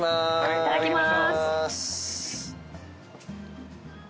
いただきまーす！